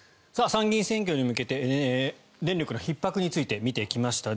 参議院選挙に向けて電力のひっ迫について見てきました。